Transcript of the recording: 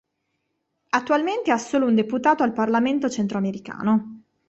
Attualmente ha solo un deputato al Parlamento centroamericano.